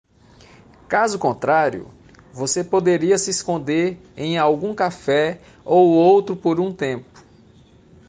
Caso contrário, você poderia se esconder em algum café ou outro por um tempo.